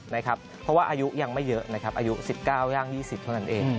เพราะว่าอายุยังไม่เยอะนะครับอายุ๑๙ย่าง๒๐เท่านั้นเอง